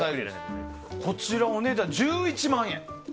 こちらお値段１１万円。